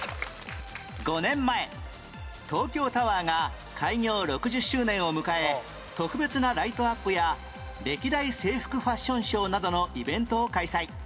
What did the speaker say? ５年前東京タワーが開業６０周年を迎え特別なライトアップや歴代制服ファッションショーなどのイベントを開催